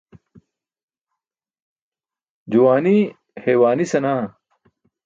Juwaani haywaani senaa.